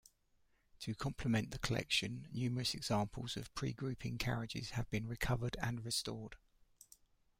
To complement the collection, numerous examples of pre-grouping carriages have been recovered and restored.